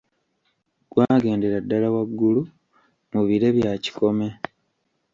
Gwagendera ddala waggulu mu bire bya kikome.